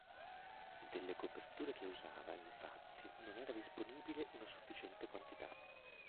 Delle coperture che usava, infatti, non era disponibile una sufficiente quantità.